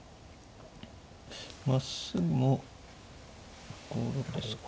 まっすぐも５六ですか。